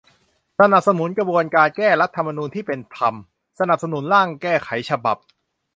สนับสนุนกระบวนการแก้รัฐธรรมนูญที่เป็นธรรม สนับสนุนร่างแก้ไขฉบับ